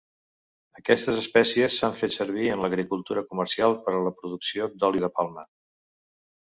Aquestes espècies s'han fet servir en l'agricultura comercial per a la producció d'oli de palma.